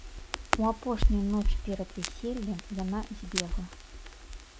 У апошнюю ноч перад вяселлем яна збегла.